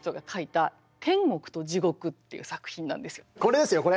これですよこれ。